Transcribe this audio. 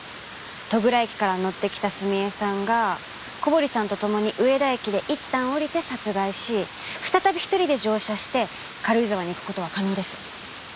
戸倉駅から乗ってきた澄江さんが小堀さんと共に上田駅でいったん降りて殺害し再び１人で乗車して軽井沢に行く事は可能です。